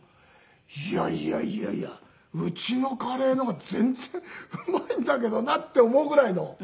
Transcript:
いやいやいやいやうちのカレーの方が全然うまいんだけどなって思うぐらいの。